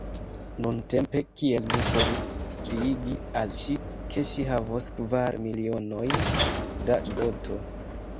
Nuntempe, kiel mi povus sciigi al ŝi, ke ŝi havos kvar milionojn da doto?